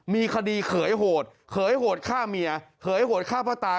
มีคดีเขยโหดเขยโหดฆ่าเมียเขยโหดฆ่าพ่อตา